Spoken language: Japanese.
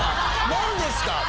何ですか？